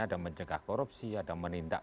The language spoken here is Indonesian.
ada mencegah korupsi ada menindak